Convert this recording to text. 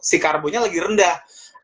si karbonya lagi rendah